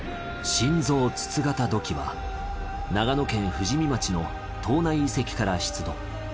神像筒形土器は長野県富士見町の藤内遺跡から出土。